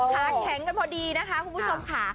ขาแข็งกันพอดีนะคะคุณผู้ชมค่ะ